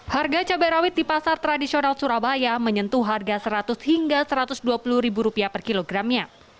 harga cabai rawit di pasar tradisional surabaya menyentuh harga seratus hingga satu ratus dua puluh ribu rupiah per kilogramnya